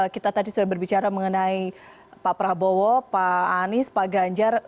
kita tadi sudah berbicara mengenai pak prabowo pak anies pak ganjar